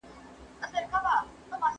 ما غوښتل چې هغه وپوهوم.